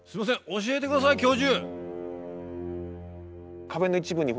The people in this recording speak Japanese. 教えて下さい教授。